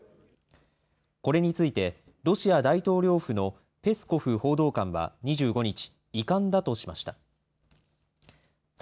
これについてロシア大統領府のペスコフ報道官は２５日、遺憾だとしました。